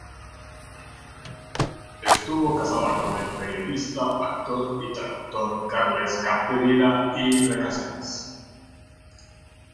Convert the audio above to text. Estuvo casada con el periodista, actor y traductor Carles Capdevila i Recasens.